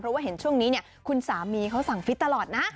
เพราะว่าเห็นช่วงนี้คุณสามีเขาสั่งฟิตตลอดนะ